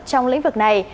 trong lĩnh vực này